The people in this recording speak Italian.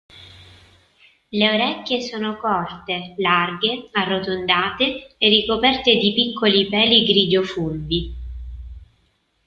Le orecchie sono corte, larghe, arrotondate e ricoperte di piccoli peli grigio-fulvi.